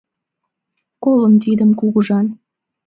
Колын тидым, кугыжан